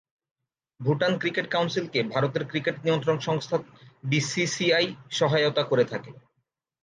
Bhutan cricket কাউন্সিলকে ভারতের cricket নিয়ন্ত্রক সংস্থা বিসিসিআই সহায়তা করে থাকে।